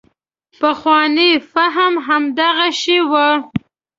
پخوانو فهم همدغه شی و.